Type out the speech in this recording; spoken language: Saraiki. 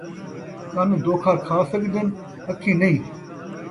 کن دوکھا کھا سڳدن اکھیں نئیں